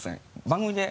番組で。